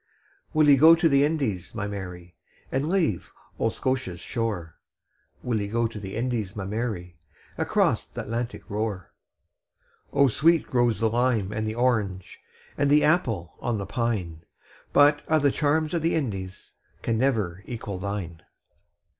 Will ye go to the Indies, my Mary, And leave auld Scotia's shore? Will ye go to the Indies, my Mary, Across th' Atlantic roar? O sweet grows the lime and the orange, And the apple on the pine; But a' the charms o' the Indies Can never equal thine.